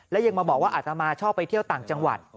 และยังมาบอกว่าอาตมาชอบไปเที่ยวต่างจังหวัด